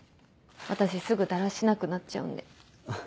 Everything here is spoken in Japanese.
私すぐだらしなくなっちゃうんで。